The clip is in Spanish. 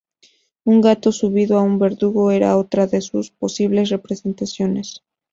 Un gato subido a un verdugo era otra de sus posibles representaciones.